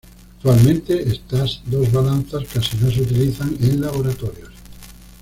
Actualmente estas dos balanzas casi no se utilizan en laboratorios.